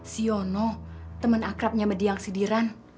si yono teman akrabnya mediang sidiran